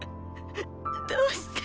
どうして！